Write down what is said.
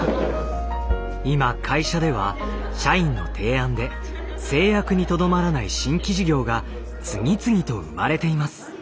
今会社では社員の提案で製薬にとどまらない新規事業が次々と生まれています。